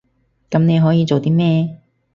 噉你可以做啲咩？